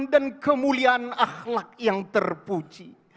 dan kemuliaan akhlak yang terpuji